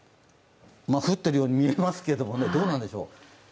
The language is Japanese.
降ってるように見えますけど、どうなんでしょう。